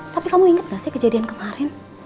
tapi kamu ingat gak sih kejadian kemarin